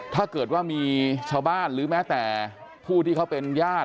ถ้าเกิดว่ามีชาวบ้านหรือแม้แต่ผู้ที่เขาเป็นญาติ